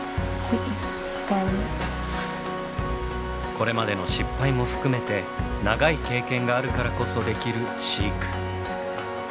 これまでの失敗も含めて長い経験があるからこそできる飼育。